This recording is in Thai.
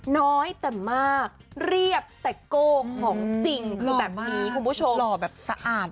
น้อยแต่มากเรียบแต่โก้ของจริงคือแบบนี้คุณผู้ชมหล่อแบบสะอาด